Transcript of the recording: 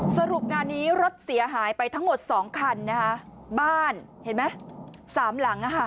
สรุปงานนี้รถเสียหายไปทั้งหมดสองคันนะคะบ้านเห็นไหมสามหลัง